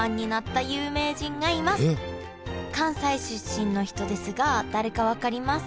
関西出身の人ですが誰か分かりますか？